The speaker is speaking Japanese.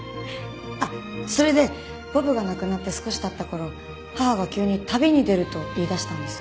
あっそれでボブが亡くなって少し経った頃母が急に「旅に出る」と言い出したんです。